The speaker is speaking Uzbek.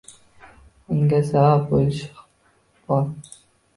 Unga sabab bo‘lishi bor.